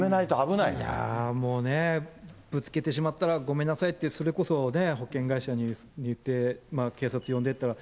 もうね、ぶつけてしまったらごめんなさいって、それこそ、保険会社に言って、警察呼んでって。